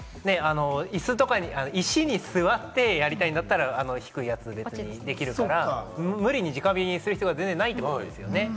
石に座ってやりたいんだったら、敷くやつでできるから無理に直火にする必要が全然ないということですよね。